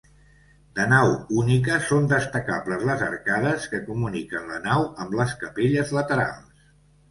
De nau única, són destacables les arcades que comuniquen la nau amb les capelles laterals.